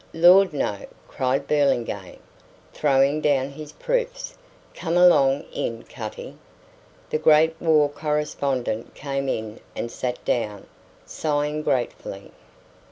"Lord, no!" cried Burlingame, throwing down his proofs. "Come along in, Cutty." The great war correspondent came in and sat down, sighing gratefully.